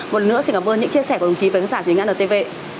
một lần nữa xin cảm ơn những chia sẻ của đồng chí với các giả truyền ngã ntv